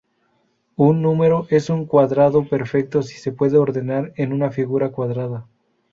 Un número es un cuadrado perfecto si se puede ordenar en una figura cuadrada.